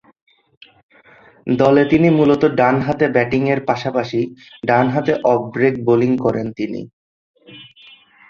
দলে তিনি মূলতঃ ডানহাতে ব্যাটিংয়ের পাশাপাশি ডানহাতে অফ ব্রেক বোলিং করেন তিনি।